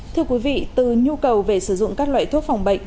thưa quý vị từ nhu cầu về sử dụng các loại thuốc phòng bệnh